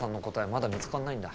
まだ見つからないんだ。